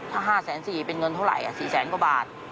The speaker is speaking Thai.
ถ้า๕๔๐๐เป็นเงินเท่าไหร่๔แสนกว่าบาท